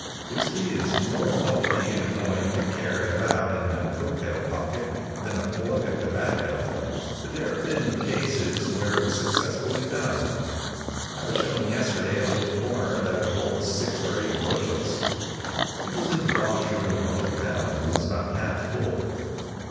Whisky is more bulky and annoying to carry about in the coat tail pocket than a plug of tobacco, but there have been cases where it was successfully done. I was shown yesterday a little corner that would hold six or eight bushels. It was in the wash room of a hotel, and was about half full.